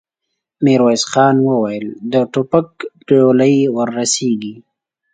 ميرويس خان وويل: د ټوپک ډولۍ ور رسېږي؟